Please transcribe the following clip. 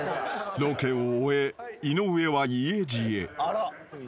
［ロケを終え井上は家路へ］